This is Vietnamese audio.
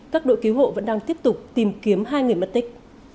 các đội cứu hộ vẫn đang tiếp tục tìm kiếm hai người mất tích